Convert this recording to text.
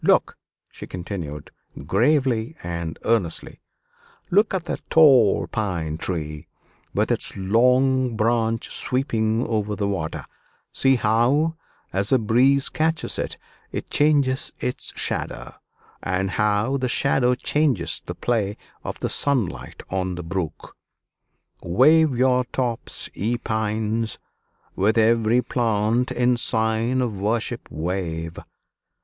Look," she continued, gravely and earnestly "look at that tall pine tree, with its long branch sweeping over the water; see how, as the breeze catches it, it changes its shadow, and how the shadow changes the play of the sunlight on the brook: 'Wave your tops, ye pines; With every plant, in sign of worship wave.'